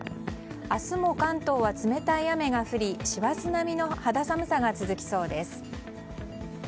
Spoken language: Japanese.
明日も関東は冷たい雨が降り師走並みの肌寒さが続きそうです。